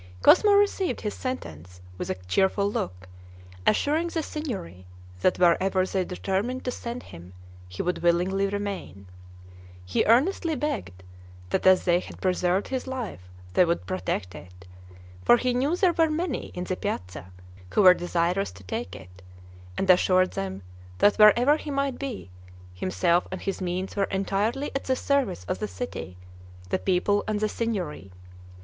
Cosmo received his sentence with a cheerful look, assuring the Signory that wherever they determined to send him, he would willingly remain. He earnestly begged, that as they had preserved his life they would protect it, for he knew there were many in the piazza who were desirous to take it; and assured them, that wherever he might be, himself and his means were entirely at the service of the city, the people, and the Signory.